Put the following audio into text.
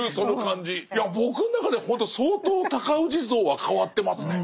いや僕の中ではほんと相当尊氏像は変わってますね。